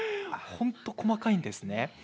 本当、細かいですね。